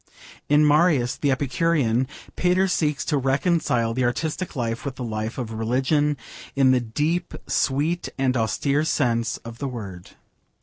In Marius the Epicurean Pater seeks to reconcile the artistic life with the life of religion, in the deep, sweet, and austere sense of the word.